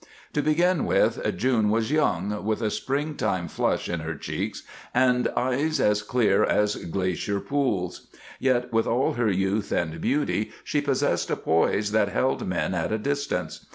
To begin with, June was young, with a springtime flush in her cheeks, and eyes as clear as glacier pools. Yet with all her youth and beauty, she possessed a poise that held men at a distance.